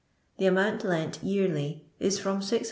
The amount lent yearly is from 600